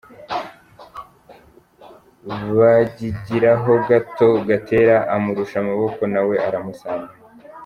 Bagigiraho gato, Gatera amurusha amaboko, nawe aramusambanya.